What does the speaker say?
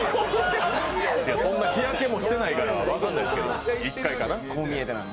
そんな、日焼けもしてないから分からないけど、１回かな？